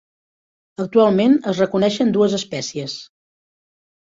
Actualment es reconeixen dues espècies.